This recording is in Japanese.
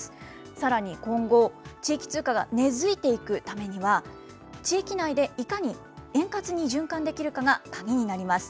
さらに今後、地域通貨が根づいていくためには、地域内でいかに円滑に循環できるかが鍵になります。